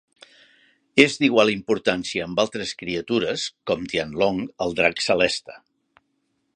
És d'igual importància amb altres criatures com Tianlong, el drac celeste.